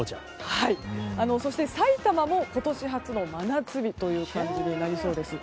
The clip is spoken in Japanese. そして、さいたまも今年初の真夏日となりそうです。